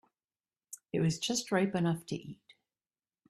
It was just ripe enough to eat.